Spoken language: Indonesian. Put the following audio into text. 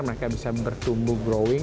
mereka bisa bertumbuh growing